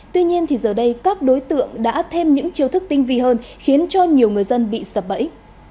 tuy nhiên giờ đây các đối tượng đã thêm những chiêu thức tinh vi hơn khiến cho nhiều người dân bị sập bẫy